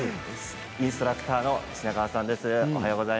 インストラクターの品川さんです。